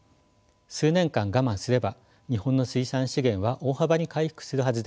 数年間我慢すれば日本の水産資源は大幅に回復するはずです。